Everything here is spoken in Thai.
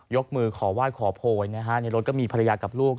มือขอไหว้ขอโพยนะฮะในรถก็มีภรรยากับลูก